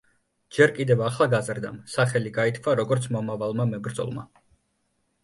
ჯერ კიდევ ახალგაზრდამ სახელი გაითქვა, როგორც მომავალმა მებრძოლმა.